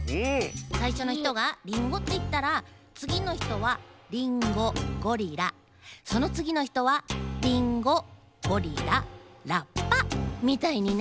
さいしょのひとが「リンゴ」っていったらつぎのひとは「リンゴゴリラ」そのつぎのひとは「リンゴゴリララッパ」みたいにね！